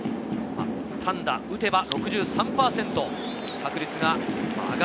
単打、打てば６３％。